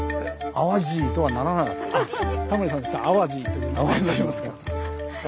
タモリさんですとアワジイという名前になりますか。